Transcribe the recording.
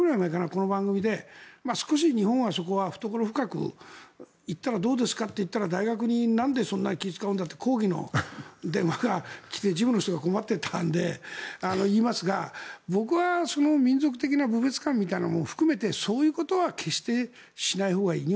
この番組で少し日本は懐深くいったらどうですかと言ったら大学になんでそんなに気を使うんだって抗議の電話が来て事務の人が困っていたので言いますが、僕は民族的な侮蔑観みたいなのも含めてそういうことは決してしないほうがいい。